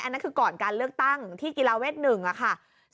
นั่นคือก่อนการเลือกตั้งที่กีฬาเวท๑ค่ะ